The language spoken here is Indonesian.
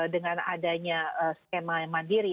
dengan adanya skema mandiri